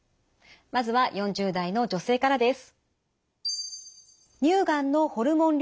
まずは４０代の女性からです。